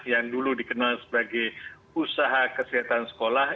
yang dulu dikenal sebagai usaha kesehatan sekolah